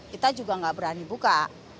kita juga nggak berani buka